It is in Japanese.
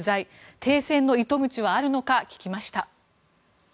停戦の糸口はあるのか聞きました。